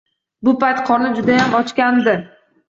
Bu payt qorni judayam ochgandi.